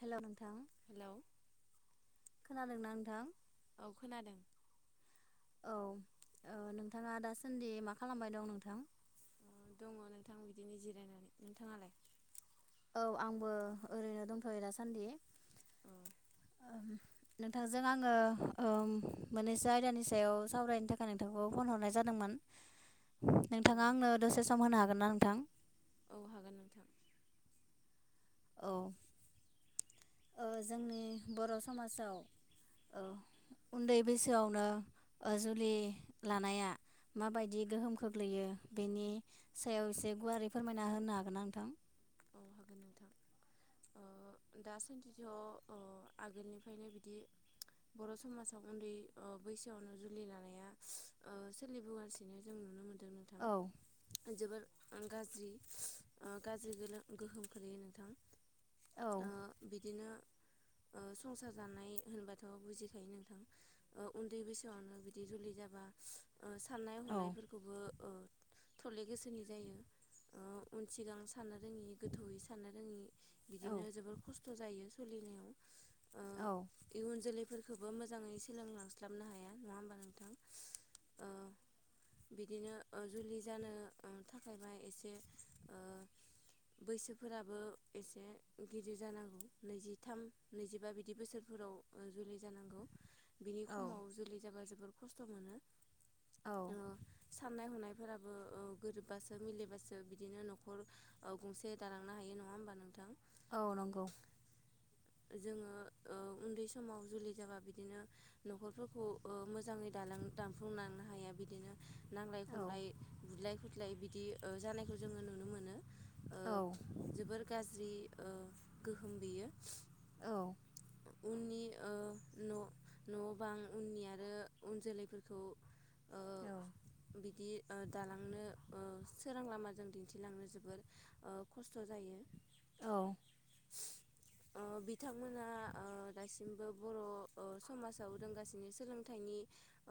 Hello नोंथां hello खोनादोंना नोंथां? औ खोनादों। औ ओ नोंथाङा दासान्दि मा खालामबाय दं नोंथां? अ दङ नोंथां बिदिनो जिरायनानै नोंथाङालाय? औ आंबो ओरैनो दंथयो दासान्दि। औ नोंथांजों आङो ओ मोननैसो आयदानि सायाव सावरायनो थाखाय नोंथांखौ फन हरनाय जादोंमोन। औ नोंथाङा आंनो दसे सम होनो हागोन ना नों नोंथां औ हागोन नोंथां औ ओ जोंनि बरसमाजाव ओ उन्दै बैसोआवनो जुलि लानाया माबायदि गोहोम खोग्लैयो बेनि सायाव एसे गुवारै फोरमायना होनो हागोन ना नोंथां? औ हागोन नोंथां ओ दासान्दिथ ओ आगोलनिफ्रायनो बिदि बर समाजाव उन्दै ओ बैसोआवनो जुलि लानाया ओ सोलिबोगासिनो जों नुनो मोनदों। दों नोथां औ जोबोर गाज्रि गाज्रि गोहोम खोख्लैयो नोंथां औ ओ बिदिनो ओ संसार जानाय होनबाथ बुजिखायो नोंथां ओ उन्दै बैसोआवनो बिदि जुलि जाबा ओ साननाय औ हनायफोरखौबो ओ थले गोसोनि जायो ओ उन सिगां साननो रोङै गोथौवयै साननो रोङि बिदिनो औ जोबोर खस्थ खस्थ जायो सोलिनायाव। ओ औ इउन जोलै फोरखोबो मोजाङै सोलोंलांस्लाबनो हाया नङा होमबा नोंथां ओ बिदिनो ओ जुलि जानो ओ थाखायबा एसे ओ बैसोफोराबो एसे गिदिर जानांगौ नैजिथाम नैजिबा बिदि बैसोरफोराव जुलि जानांगौ। बिनि औ खमाव जुलि जाबा जों जोबोर खस्थमोनो औ ओ साननाय हनाय फोराबो ओ गोरोबबासो मिलायबासो बिदिनो नखर गंसे दालांनो हायो नङा होमबा नोंथां? औ नंगौ। जोङो ओ उन्दै समाव जुलि जाबा बिदिनो नखरफोरखौ ओ मोजाङै दालां दानफ्लुंलांनो हाया बिदिनो नांलाय औ खमलाय बुदलाय खुदलाय [unintelligible] बिदि ओ जानायखौ जोङो नुनो मोनो। ओ औ जोबोर गाज्रि ओ गोहोम बियो। औ। उननि ओ न' न'-बां उननि आरो उन जोलैफोरखौ ओ बिदि ओ दालांनो ओ सोरां लामाजों दिन्थिलांनो जोबोर ओ खस्थ' जायो। औ ओ बिथांमोना ओ दासिमबो बर' ओ समाजाव दोंगासिनो सोलोंथाइनि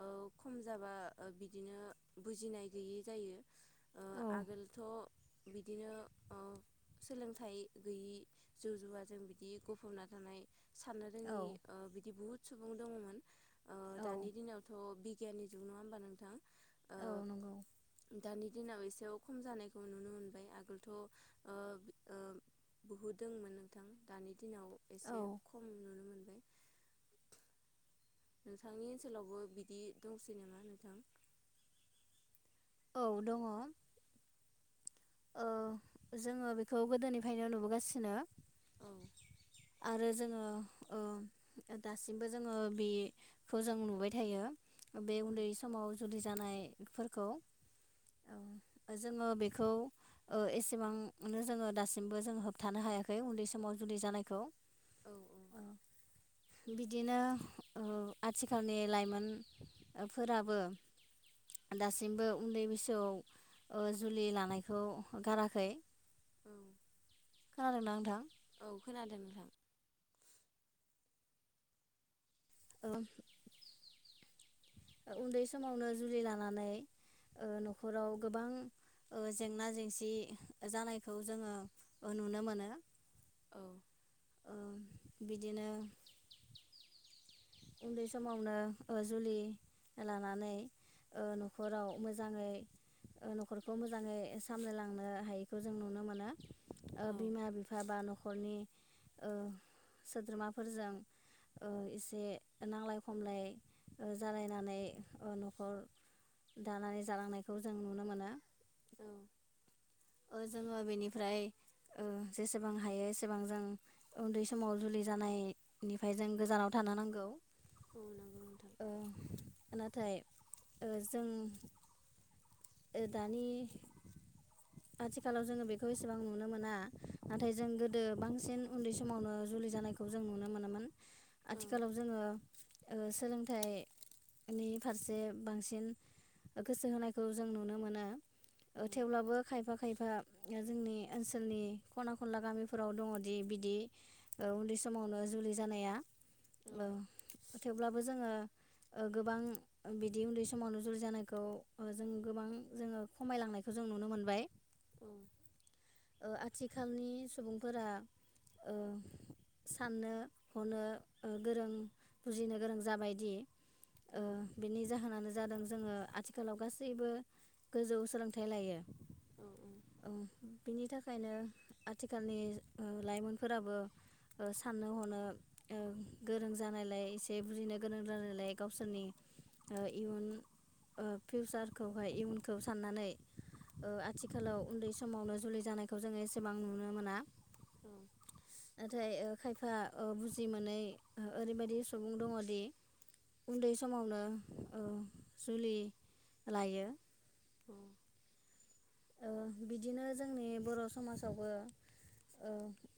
ओ खम जाबा बिदिनो बुजिनाय गैयै जायो। ओ आगोलथ' बिदिनो ओ सोलोंथाइ गैयि जौ जुवाजों बिद बिदि गफ'बना थानाय साननो रोङि औ ओ बिदि बुहुत सुबुं दङमोन। ओ औ दानि दिनावथ' बि गियानि जुग नङा होनबा नोंथां? ओ औ नंगौ [unintelligible] दानि दिनाव एसेयाव खम जानायखौ नुनो मोनबाय आगोलथ' ओ ओ बहुद दङमोन नोंथां। दानि दिनाव एसे औ खम नुनो मोन बाय [inaudible] नोंथांनि ओनसोलावबो बिदि दंसै नामा नोंथां? औ दङ। ओ जोङो बेखौ गोदोनिफ्रायनो नुबोगासिनो। औ आरो जोङो ओ दासिमबो जोङो बेखौ जों नुबाय थायो। बे उन्दै समाव जुदि जानायफोरखौ ओम जोङो बेखौ ओ एसेबांनो जोङो दासिमबो जोङो होबथानो हायाखै उन्दै समाव जुदि जानाय खौ। औ। औ बिदिनो ओ आथिखालनि लाइमोनफोराबो दासिमबो उन्दै बैसोआव ओ जुलि लानायखौ गाराखै। औ। खोनादोंना नोंथां? औ खोनादों नोंथां। ओ। ओ उन्दै समावनो जुलि लानानै ओ न'खराव गोबां ओ जेंना-जेंसि जानायखौ जोङो ओ नुनो मोनो। औ। ओ बिदिनो उन्दै समावनो ओ जुलि लानानै ओ न'खराव मोजाङै ओ न'खरखौ मोजाङै सामलायलांनो हायैखौ जों नुनो मोनो। ओ औ बिमा बिफा बा न'खरनि ओ सोद्रोमाफोरजों ओ इसे नांलाय खमलाय जालायनानै न'खर दानानै जालांनायखौ जों नुनो मोनो। औ ओ जोङो बेनिफ्राय ओ जेसेबां हायो एसेबां जों उन्दै समाव जुलि जानायनिफ्राय जों गोजानाव थानो नांगौ। औ नोंगौ नोंथां। ओ नाथाय ओ जों ओ दानि आथिखालाव जोङो बेखौ एसेबां नुनो मोना नाथाय जों गोदो बांसिन उन्दै समावनो जुलि जानायखौ जों नुनो मोनोमोन। औ आथिखालाव जोंङो ओ सोलोंथाइनि फारसे बांसिन गोसो होनायखौ जों नुनो मोनो। औ ओ थेवब्लाबो खायफा खायफा ओ जोंनि ओनसोलनि खना खनला गामिफोराव दङदि बिदि ओ उन्दै समावनो जुलि जानाया। औ थेवब्लाबो जोंङो ओ गोबां ओ बिदि उन्दै समावनो जुलि जानायखौ ओ जों गोबां जोंङो खमायलांनायखौ जों नुनो मोनबाय। औ ओ आथिखालनि सुबुंफोरा ओ साननो हनो ओ गोरों बुजिनो गोरों जाबायदि ओ बेनि जाहोनानो जादों जोंङो आथिखालाव गास सैबो गोजौ सोलोंथाइ लायो। ओ बिनि थाखायनो आथिखालनि ओ लाइमोनफोराबो ओ साननो हनो ओ गोरों जानायलाय एसे बुजिनो गोरों जानायलाय गावसोरनि ओ इयुन ओ फिउसार खौहाय इयुनखौ साननानै ओ आथिखालाव उन्दै समावनो जुलि जानायखौ जोंङो एसेबां नुनो मोना। नाथाय ओ खायफा ओ बुजि मोनै ओ ओरैबायदि सुबुं दङदि उन्दै समावनो ओ जुलि लायो औ ओ बिदिनो जोंनि बर' समाजावबो ओ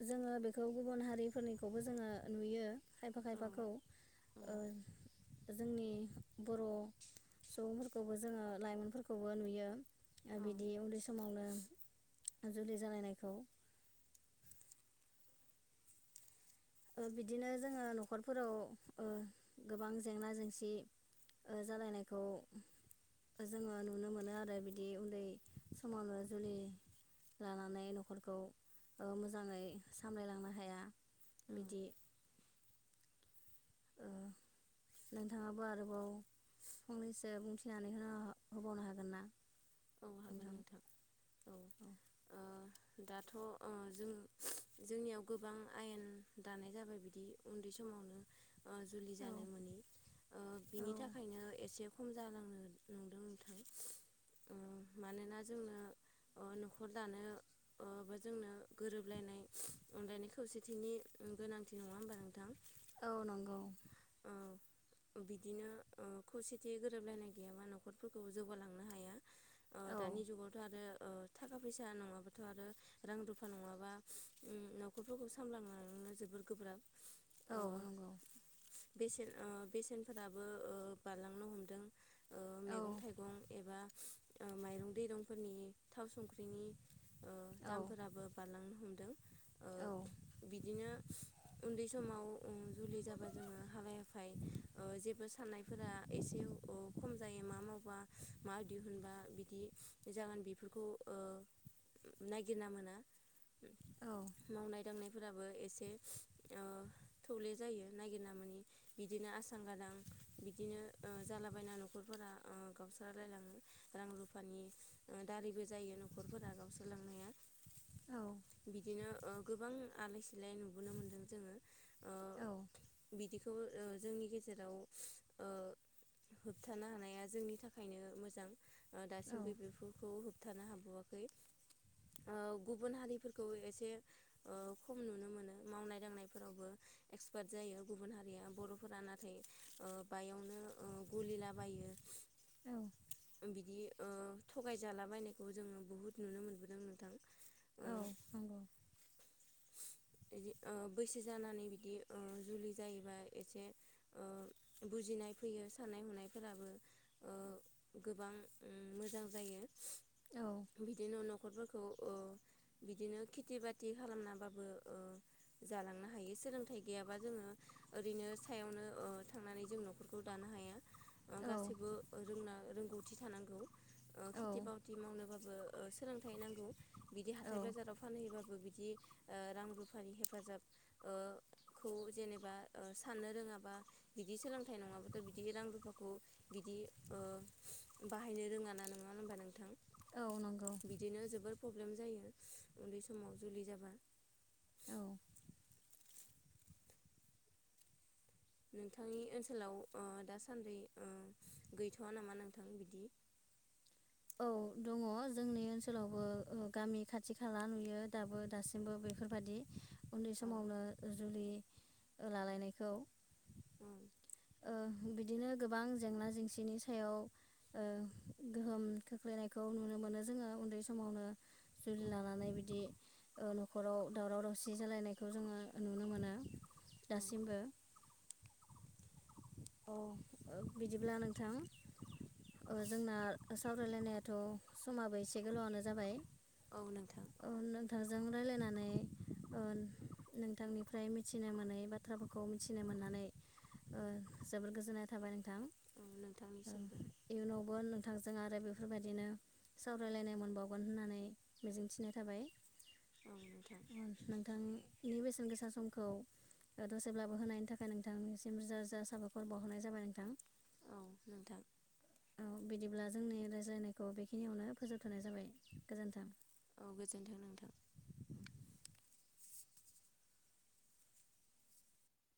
जोंङो बेखौ गुबुन हारिफोरनिखौबो जोङो नुयो। खायफा खायफाखौ ओ जोंनि बर' सुबुंफोरखौबो जोंङो लाइमोनफोरखौबो नुयो। ओ बिद उन्दै समावनो जुलि जालायनायखौ ओ बिदिनो जोङो न'खरफोराव ओ गोबां जेंना जेंसि ओ जालायनायखौ जोङो नुनो मोनो आरो बिदि उन्दै समावनो जुलि लानानै न'खरखौ ओ मोजाङै सामलायलांनो हाया। बिदि ओ नोंथाङाबो आरोबाव फंनैसो बुंथिनानै होनो होबावनो हागोन ना? औ हागोन नोंथां औ ओ दाथ' ओ जों जोंनियाव गोबां आयेन दानाय जाबाय बिदि उन्दै समावनो ओ जुलि औ जानो ओ मोनि बिनि थाखायनो एसे खम जालांनो नंदों नोंथां। ओ मानोना जोंनो ओ न'खर दानो ओ बा जोंनो गोरोबलायनाय अनलायनाय खौसेथिनि गोनांथि नङा होमबा नोंथां? औ नंगौ। औ बिदिनो ओ खौसेथि गोरोबलायनाय गैयाबा न'खरफोरखौ जौगालांनो हाया। ओ औ दानि जुगावथ आरो ओ थाखा फैसा नङाबाथ' आरो रां रुफा नङाबा उम न'खरफोरखौ सामलांलांनो जोबोर गोब्राब। ओ औ नंगौ। बेसेन ओ बेसेनफोराबो ओ बारलांनो हमदों। ओ औ मैगं थाइगं एबा ओ माइरं दैरंफोरनि थाव संख्रिनि ओ औ दामफोराबो बारलांनो हम ओ औ बिदिनो उन्दै समाव ओ जुलि जाबा जोङो हालाय हाफाय ओ जेबो साननायफोरा एसे ओ खम जायो मा मावबा मा दिहुनबा बिदि जागोन बेफोरखौ ओ नायगिरना मोना। औ मावनाय दांनाय फोराबो एसे ओ थौले जायो नागिरना मोनि बिदिनो आसां गादां बिदिनो ओ जालाबायना ओ न'खरफोरा गावस्रालायलाङो रां रुफानि दारैबो जायो न'खरफोरा गावस्रालांनाया। औ बिदिनो ओ गोबां आलाय सिलाय नुबोनो मोनदों जोङो ओ औ बिदि खौबो ओ जोंनि गेजेराव ओ होबथानो हानाया जोंनि थाखायनो मोजां। ओ औ दासिमबो बेफोरखौ होब थानो हाबावाखै ओ गुबुन हारिफोरखौ ओ एसे ओ खम नुनो मोनो मावनाय दांनायफोरावबो एक्सपाट जायो गुबुन हारि हारिया बर'फोरा नाथाय ओ बायावनो ओ गलिलाबायो। औ बिदि ओ थगाय जा लाबायनायखौ जोङो बुहुत नुनो मोनबोदों नोंथां। ओ औ नंगौ। ओ बैसो जानानै बिदि ओ जुलि जायो। एबा एसे ओ बुजिनाय फैयो साननाय हनायफोराबो ओ गोबां ओम मोजां जायो। औ बिदिनो नख न'खरफोरखौ ओ बिदिनो खेथि बाति खालामनाबाबो ओ जालांनो हायो सोलोंथाइ गैयाबा जोङो ओरैनो सायावनो ओ थांनानै जों न'खरखौ दानो हाया। ओ औ गासिबो रोंना रोंगौथि थानांगौ ओ औ खेथि बावथि मावनोबाबो ओ सोलोंथाइ नांगौ। बिदि हाथाय औ बाजाराव फानहैबाबो बिद जि ओ रां रुफानि हेफाजाब ओ खौ जेनेबा ओ साननो रोङाबा बिदि सोलोंथाइ नङाब्लाथ' बिदि रां रुफाखौ बिदि ओ बाहायनो रोङा ना नङा होनबा नोंथां? औ नंगौ बिदिनो जोबोर पब्लेम जायो। उन्दै समाव जुलि जाबा औ नोंथांनि ओनसोलाव ओ दासान्दै ओ गैथ'वा नामा नोंथां बिदि? औ दङ जोंनि ओनसोलावबो ओ गामि खाथि खाला नुयो दाबो दासिमबो बेफोरबादि उन्दै औ समावनो जुलि ओ लालायनायखौ। ओम ओ बिदिनो गोबां जेंना जेंसिनि सायाव ओ गोहोम खोख्लैनायखौ नुनो मोनो जोङो उन्दै समावनो औ जुलि लानानै बिदि ओ न'खराव दावराव दावसि जालायनायखौ जोङो नुनो मोना। औ दासिमबो अ ओ बिदिब्ला नोंथां ओ जोंना सावरायलायनायाथ' समाबो एसे गोलावआनो जाबाय औ नोंथां जों रायलायनानै ओ नोंथांनिफ्राय मिथिनो मोनै बाथ्राफोरखौ मिथिनो मोननानै ओ जोबोर गोजोननाय थाबाय नोंथां। औ ओ नोंथांनिसिमबो इयुनावबो नो थांजों आरो बेफोरबायदिनो सावरायलायनो मोनबावगोन होननानै मिजिंथिनाय थाबाय औ नोंथां ओम नोंथांनि बेस सेन गोसा समखौ दसेब्लाबो होनायनि थाखाय नोंथांनि सि रोजा रोजा साबायर बावहरनाय जाबाय नोंथां औ नोंथां औ बिदिब्ला जोंनि रायज्लायनायखौ बेखिनियावनो फोजोबथ'नाय जाबाय गोजोन्थों। औ गोजोन्थों नोंथां।